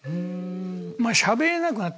まあしゃべれなく。